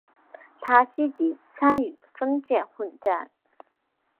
他积极参与封建混战。